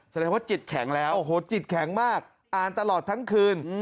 แสดงว่าจิตแข็งแล้วโอ้โหจิตแข็งมากอ่านตลอดทั้งคืน